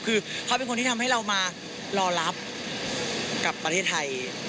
คือเขาเป็นคนที่ทำให้เรามารอรับกับประเทศไทย